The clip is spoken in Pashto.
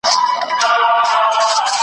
چي خبري د رڼا اوري ترهیږي .